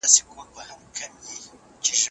مرګ د غني او فقیر ترمنځ فرق نه کوي.